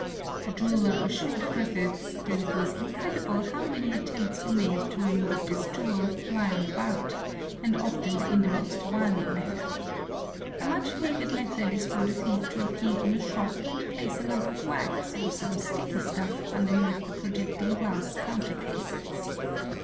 The jeweller assured Griffiths that it was incredible how many attempts were made to remove this jewel 'lying about'', and often in the most wily manner. A much favoured method is for a thief to appear in a shop and place a lump of wax or some sticky stuff underneath the projecting glass counter cases.